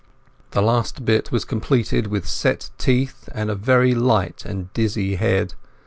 The last bit was completed with set teeth and a very light and dizzy head.